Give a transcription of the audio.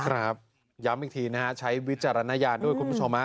ครับย้ำอีกทีนะฮะใช้วิจารณญาณด้วยคุณผู้ชมฮะ